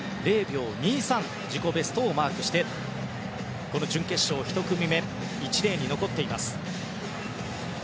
０秒２３自己ベストをマークしてこの準決勝１組目１レーンに残っています。